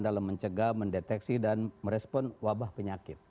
dalam mencegah mendeteksi dan merespon wabah penyakit